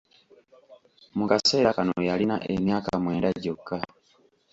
Mu kaseera kano yalina emyaka mwenda gyokka.